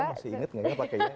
saya masih inget gak pake ya